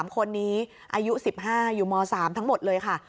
๓คนนี้อายุ๑๕อยู่ม๓ทั้งหมดเลยค่ะ